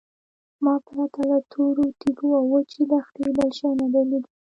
ما پرته له تورو تیږو او وچې دښتې بل شی نه دی لیدلی.